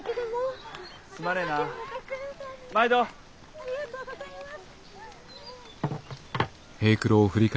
ありがとうございます！